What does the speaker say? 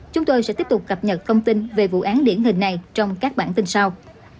chúng tôi sẽ tiếp tục cập nhật thông tin về vụ án điển hình này trong các bản tin sau